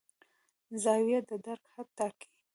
زاویه د درک حد ټاکي.